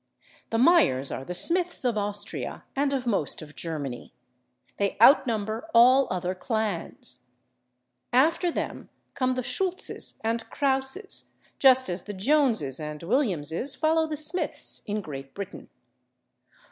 The /Meyers/ are the /Smiths/ of Austria, and of most of Germany. They outnumber all other clans. After them come the /Schultzes/ and /Krauses/, just as the /Joneses/ and /Williamses/ follow the /Smiths/ in Great Britain.